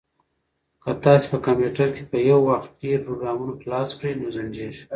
که تاسي په کمپیوټر کې په یو وخت ډېر پروګرامونه خلاص کړئ نو ځنډیږي.